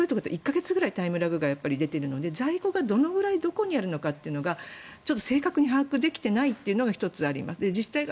遅いところだと１か月ぐらいタイムラグが出ているので在庫がどのくらいどこにあるのかというのが正確に把握できていないのが１つあります。